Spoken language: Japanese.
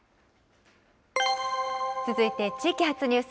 続いて地域発ニュース。